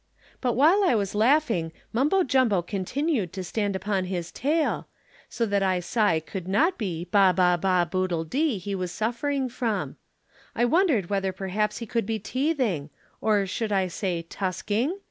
But while I was laughing, Mumbo Jumbo continued to stand upon his tail, so that I saw it could not be 'Ba, ba, ba, boodle dee' he was suffering from. I wondered whether perhaps he could be teething or should I say, tusking?